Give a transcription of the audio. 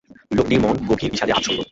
লোকটির মন গভীর বিষাদে আচ্ছান্ন।